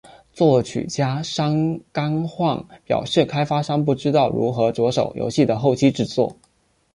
作曲家山冈晃表示开发商不知道如何着手游戏的后期制作。